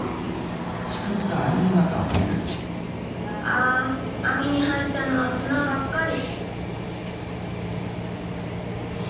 ああみに入ったのはすなばっかり。